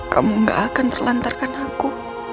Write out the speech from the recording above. kamu gak akan terlantarkan aku